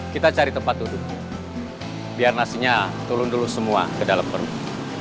kita cari tempat duduk biar nasinya turun dulu semua ke dalam perut